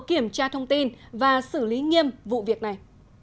kiểm tra thông tin và xử lý nghiêm vụ việc này